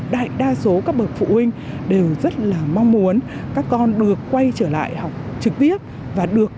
đại đa số các bậc phụ huynh đều rất là mong muốn các con được quay trở lại học trực tiếp và được